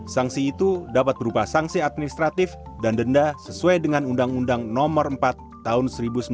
sanksi itu dapat berupa sanksi administratif dan denda sesuai dengan undang undang no empat tahun seribu sembilan ratus sembilan puluh